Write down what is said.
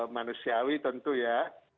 manusiawi tentu ya